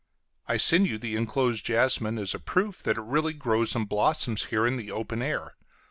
I send you the inclosed jasmine as a proof that it really grows and blossoms here in the open air.